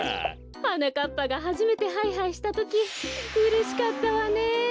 はなかっぱがはじめてハイハイしたときうれしかったわね！